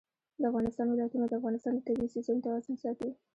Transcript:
د افغانستان ولايتونه د افغانستان د طبعي سیسټم توازن ساتي.